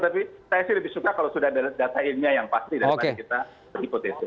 tapi saya sih lebih suka kalau sudah ada data ilmiah yang pasti daripada kita hipot itu